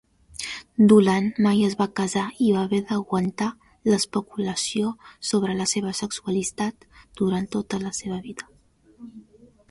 Dolan mai es va casar i va haver d'aguantar l'especulació sobre la seva sexualitat durant tota la seva vida.